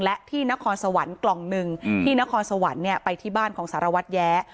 และที่นครสวรรค์กล่องหนึ่งที่นครสวรรค์ไปที่บ้านของสารวัตรแย้